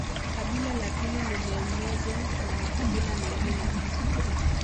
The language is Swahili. Kabila la pili limemezwa na makabila mengine